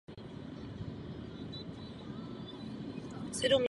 V italské verzi byla vystavena v Římě na několika místech a v Miláně.